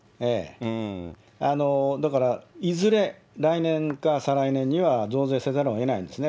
だからいずれ、来年か再来年には、増税せざるをえないですね。